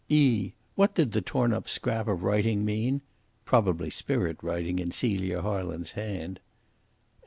(e) What did the torn up scrap of writing mean? (Probably spirit writing in Celia Harland's hand.)